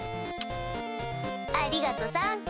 ありがとさん！